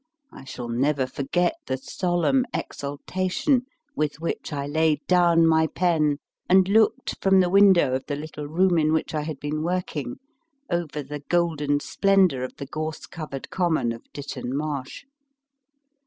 I shall never forget the solemn exultation with which I laid down my pen and looked from the window of the little room in which I had been working over the golden splendour of the gorse covered com mon of Ditton Marsh.